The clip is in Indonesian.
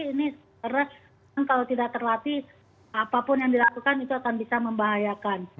ini karena kalau tidak terlatih apapun yang dilakukan itu akan bisa membahayakan